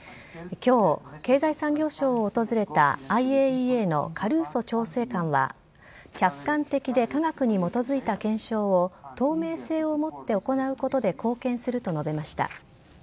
きょう、経済産業省を訪れたＩＡＥＡのカルーソ調整官は、客観的で科学に基づいた検証を、透明性を持って行うことで貢献すると述べました。